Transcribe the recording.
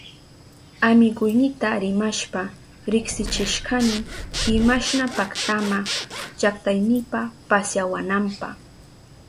Amiguynita rimashpa riksichishkani imashna paktama llaktaynipa pasyawananpa.